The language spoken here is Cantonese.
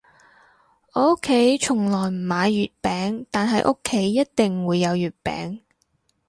我屋企從來唔買月餅，但係屋企一定會有月餅